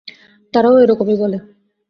তারাও এরকম ই বলে!